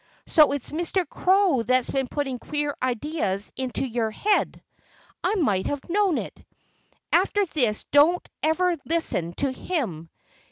"So it's Mr. Crow that's been putting queer ideas into your head! I might have known it. After this don't ever listen to him!